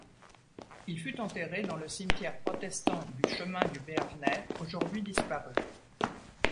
Il fut enterré dans le cimetière protestant du Chemin du Béarnais, aujourd'hui disparu'.